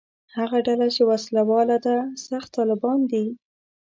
هغه ډله چې وسله واله ده «سخت طالبان» دي.